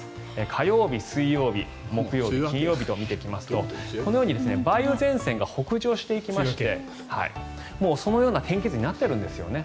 火曜日、水曜日木曜日、金曜日と見ていきますとこのように梅雨前線が北上していきまして梅雨明けのような天気図になってるんですよね